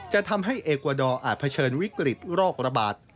จะทำให้เอกวาดอร์อาจเผชิญวิกฤตโรคระบาด